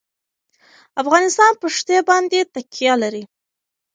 افغانستان په ښتې باندې تکیه لري.